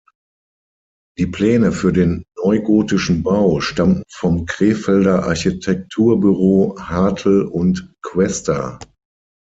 Die Pläne für den neugotischen Bau stammten vom Krefelder Architekturbüro Hartel und Quester.